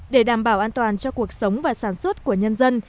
để đảm bảo an toàn cho cuộc sống và sản xuất của nhân dân